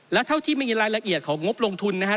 แล้วเท่าที่ไม่มีรายละเอียดของงบลงทุนนะครับ